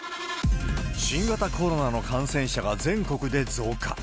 新型コロナの感染者が全国で増加。